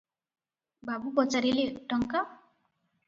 ବାବୁ ପଚାରିଲେ- ଟଙ୍କା?